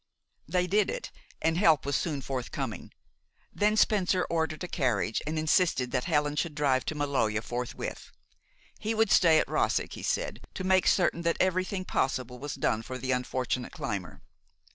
They did it, and help was soon forthcoming. Then Spencer ordered a carriage, and insisted that Helen should drive to Maloja forthwith. He would stay at Roseg, he said, to make certain that everything possible was done for the unfortunate climber.